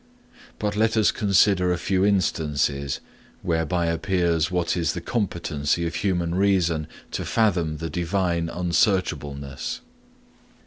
But let us consider a few instances whereby appears what is the competency of human reason to fathom the Divine unsearchableness.